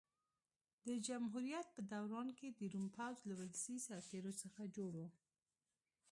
د جمهوریت په دوران کې د روم پوځ له ولسي سرتېرو څخه جوړ و.